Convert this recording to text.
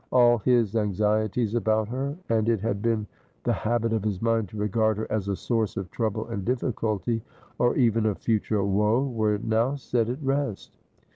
All his anxieties about her — and it had been the habit of his mind to regard her as a source of trouble and difficulty, or even of future woe — were now set at rest.